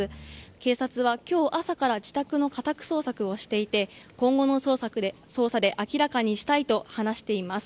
警察は今日朝から自宅の家宅捜索をしていて今後の捜査で明らかにしたいと話しています。